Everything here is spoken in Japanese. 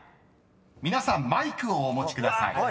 ［皆さんマイクをお持ちください］